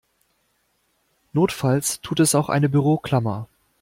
Notfalls tut es auch eine Büroklammer.